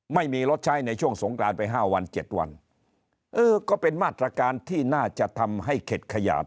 ไม่มีรถใช้ในช่วงสงกรานไปห้าวันเจ็ดวันเออก็เป็นมาตรการที่น่าจะทำให้เข็ดขยาด